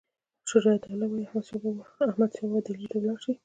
شجاع الدوله وایي احمدشاه به ډهلي ته ولاړ شي.